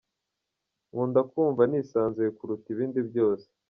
, nkunda kumva nisanzuye kuruta ibindi byose.